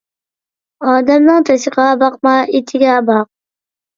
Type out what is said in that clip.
ئادەمنىڭ تېشىغا باقما، ئىچىگە باق.